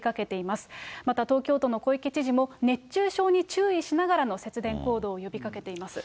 また東京都の小池知事も、熱中症に注意しながらの節電行動を呼びかけています。